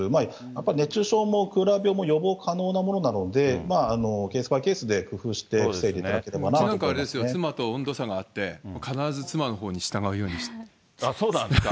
やっぱり熱中症もクーラー病も予防可能なものなので、ケースバイケースで工夫して、うちなんかあれですよ、妻と温度差があって、必ず妻のほうに従うようにしてます。